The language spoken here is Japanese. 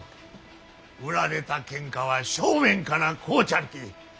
売られたけんかは正面から買うちゃるき。